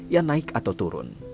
yang naik atau turun